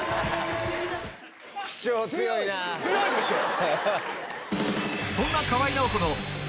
強いでしょう。